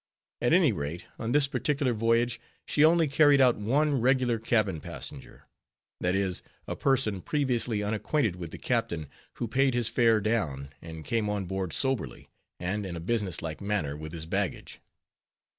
At any rate, on this particular voyage she only carried out one regular cabin passenger; that is, a person previously unacquainted with the captain, who paid his fare down, and came on board soberly, and in a business like manner with his baggage.